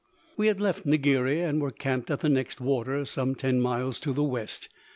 We had left Ngiri and were camped at the next water, some ten miles to the west.